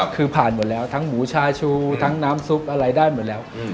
คือผ่านหมดแล้วทั้งหมูชาชูทั้งน้ำซุปอะไรได้หมดแล้ว